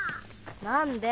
何で？